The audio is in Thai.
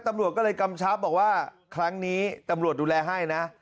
ตำรวจก็เลยกำชับบอกว่าครั้งนี้ตำรวจดูแลให้นะ